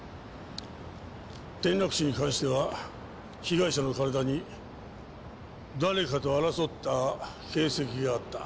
転落死に関しては被害者の体に誰かと争った形跡があった。